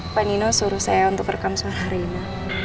pak nino suruh saya untuk rekam suara reina